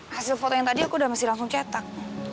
hasil foto yang tadi aku udah masih langsung cetak